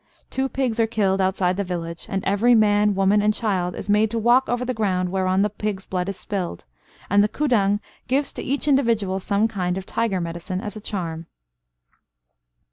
Two pigs are killed outside the village, and every man, woman, and child is made to walk over the ground whereon the pig's blood is spilled, and the Kudang gives to each individual some kind of tiger medicine as a charm.